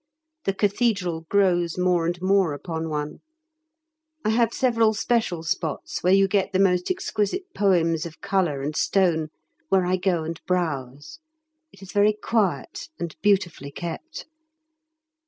The Cathedral grows more and more upon one; I have several special spots where you get the most exquisite poems of colour and stone, where I go and browse; it is very quiet and beautifully kept.